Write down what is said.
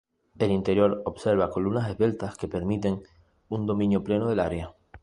El interior observa columnas esbeltas que permiten un dominio pleno del área.